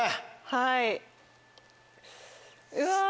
はい。